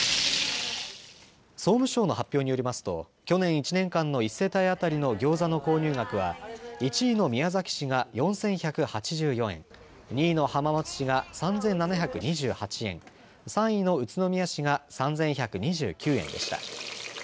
総務省の発表によりますと去年１年間の１世帯当たりのギョーザの購入額は１位の宮崎市が４１８４円、２位の浜松市が３７２８円、３位の宇都宮市が３１２９円でした。